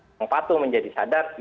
yang patuh menjadi sadar